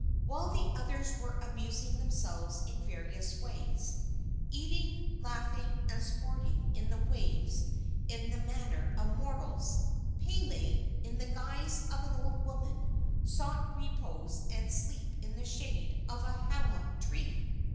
While the others were amusing themselves in various ways eating, laughing and sporting in the waves in the manner of mortals Pele, in the guise of an old woman, sought repose and sleep in the shade of a hala tree.